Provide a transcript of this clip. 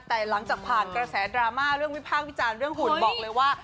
แต่หลังจากผ่านกระแสดราม่าเรื่องวิพากษ์วิจารณ์เรื่องหุ่นบอกเลยว่า